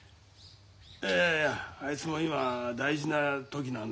いやいやいやあいつも今大事な時なんだよ。